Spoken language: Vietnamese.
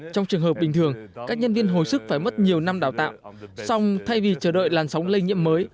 trong trường hợp bình thường các nhân viên hồi sức phải mất nhiều năm đào tạo xong thay vì chờ đợi làn sóng lây nhiễm mới